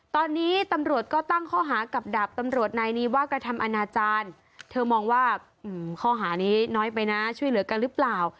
ตอนนี้ตำรวจก็ตั้งข้อหากับดาบตำรวจนายนี้ว่ากระทำอนาจารย์เธอมองว่าข้อหานี้น้อยไปนะช่วยเหลือกันหรือเปล่า